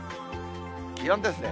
気温ですね。